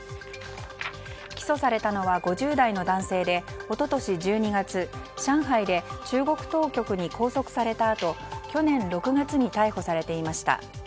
起訴されたのは５０代の男性で一昨年１２月、上海で中国当局に拘束されたあと去年６月に逮捕されていました。